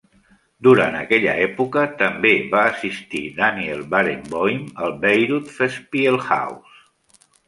Durant aquella època també va assistir Daniel Barenboim al Bayreuth Festspielhaus.